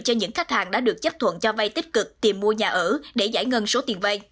cho những khách hàng đã được chấp thuận cho vay tích cực tìm mua nhà ở để giải ngân số tiền vay